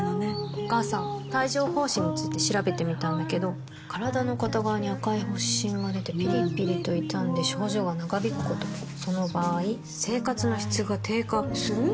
お母さん帯状疱疹について調べてみたんだけど身体の片側に赤い発疹がでてピリピリと痛んで症状が長引くこともその場合生活の質が低下する？